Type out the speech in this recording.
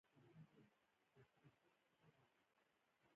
د کلاسیکو شاعرانو شعرونه لوستل.